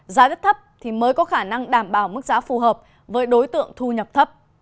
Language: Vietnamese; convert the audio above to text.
giá rất thấp thì mới có khả năng đảm bảo mức giá phù hợp với đối tượng thu nhập thấp